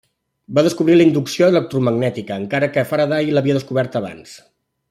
Va descobrir la inducció electromagnètica, encara que Faraday l'havia descobert abans.